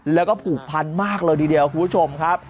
แล้วก็ผูกพันมากเลยทีเดียวคุณผู้ชมครับ